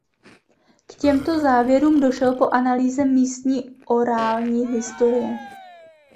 K těmto závěrům došel po analýze místní orální historie.